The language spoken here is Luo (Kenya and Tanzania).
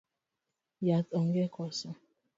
Yath onge koso?